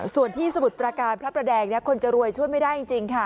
ส่วนที่สมุทรประการพระประแดงคนจะรวยช่วยไม่ได้จริงค่ะ